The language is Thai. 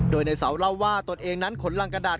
โดยในเสาเล่าว่าตนเองนั้นขนรังกระดาษ